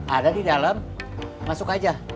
ada di dalam masuk aja